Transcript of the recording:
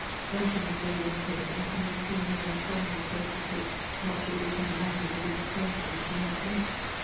Luncheon was laid on the table, and the stranger then solemnly pressed his host not to wait any longer with the disclosure which he had to make.